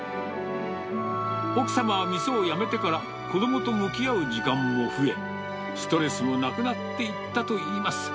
奥様は店を辞めてから子どもと向き合う時間も増え、ストレスもなくなっていったといいます。